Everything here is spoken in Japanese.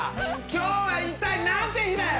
今日は一体なんて日だよ！